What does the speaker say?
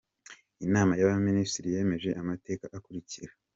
Inama y‟Abaminisitiri yemeje amateka akurikira :